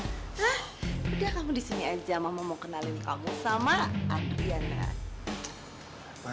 hah udah kamu disini aja mama mau kenalin kamu sama adriana